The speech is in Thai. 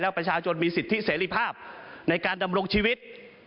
ประชาชนมีสิทธิเสรีภาพในการดำรงชีวิต